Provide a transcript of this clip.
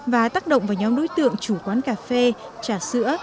và tác động vào nhóm đối tượng chủ quán cà phê trà sữa